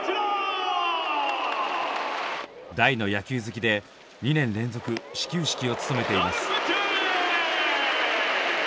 大の野球好きで２年連続始球式を務めています。